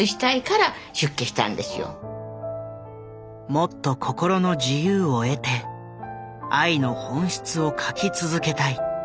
もっと心の自由を得て愛の本質を書き続けたい。